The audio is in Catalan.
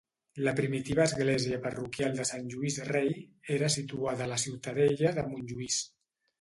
La primitiva església parroquial de Sant Lluís Rei era situada a la Ciutadella de Montlluís.